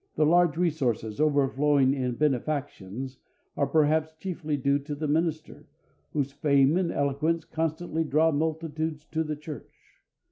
The large resources, overflowing in benefactions, are perhaps chiefly due to the minister, whose fame and eloquence constantly draw multitudes to the church.